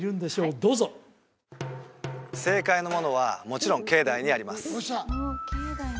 どうぞ正解のものはもちろん境内にあります